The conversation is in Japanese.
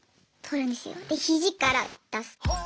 で肘から出す。